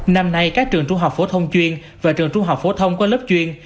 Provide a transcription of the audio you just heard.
năm nay các trường trung học phổ thông chuyên và trường trung học phổ thông có lớp chuyên